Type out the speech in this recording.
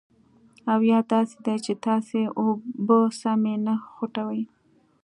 او یا داسې دي چې تاسې اوبه سمې نه خوټوئ.